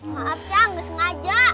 maaf cang gak sengaja